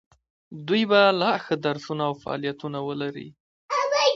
دوی به لا ښه درسونه او فعالیتونه ولري.